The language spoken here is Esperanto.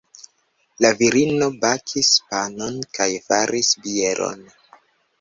La virino bakis panon kaj faris bieron.